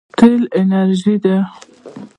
تېل انرژي ده.